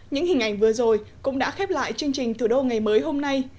những hình ảnh vừa rồi cũng đã khép lại chương trình thủ đô ngày mới hôm nay